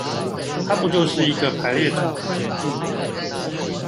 它不就是一個排列組合